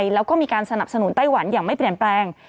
แล้วก็มีการสนับสนุนไต้หวันอย่างไม่เปลี่ยนแปลง